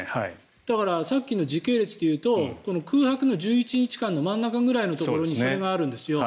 だからさっきの時系列で言うと空白の１１日間の真ん中くらいにそれがあるんですよ。